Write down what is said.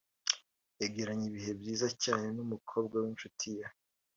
yagiranye ibihe byiza cyane n’umukobwa w’inshuti ye